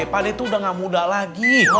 pak d tuh udah gak muda lagi